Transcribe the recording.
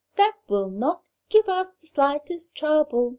'That will not give us the slightest trouble!'